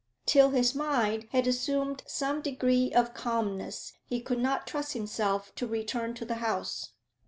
Till his mind had assumed some degree of calmness, he could not trust himself to return to the house.